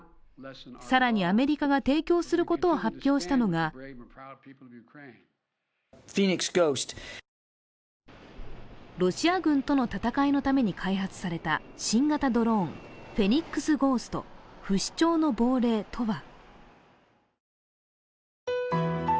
更に、アメリカが提供することを発表したのがロシア軍との戦いのために開発された新型ドローン、フェニックスゴースト＝不死鳥の亡霊とは？